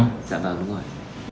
dạ vâng đúng rồi